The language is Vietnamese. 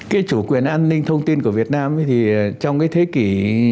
cái chủ quyền an ninh thông tin của việt nam thì trong cái thế kỷ